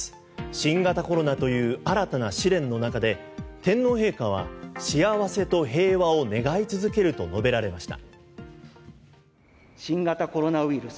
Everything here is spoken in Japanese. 新型コロナという新たな試練の中で天皇陛下は幸せと平和を願い続けると述べられました。